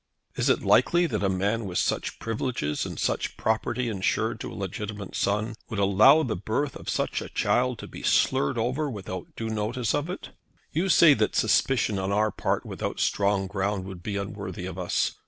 Is it likely that a man with such privileges, and such property insured to a legitimate son, would allow the birth of such a child to be slurred over without due notice of it? You say that suspicion on our part without strong ground would be unworthy of us.